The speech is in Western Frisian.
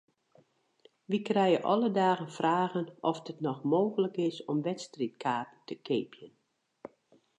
Wy krije alle dagen fragen oft it noch mooglik is om wedstriidkaarten te keapjen.